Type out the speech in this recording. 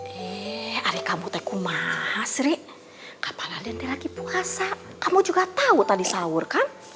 hai eh adik kamu teku masri kapal ada lagi puasa kamu juga tahu tadi saurkan